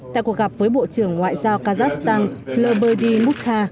tại cuộc gặp với bộ trưởng ngoại giao kazakhstan lberdy mukha